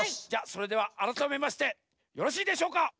じゃそれではあらためましてよろしいでしょうか？